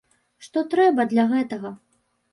Што трэба для гэтага?